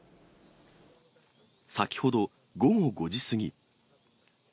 先ほど午後５時過ぎ。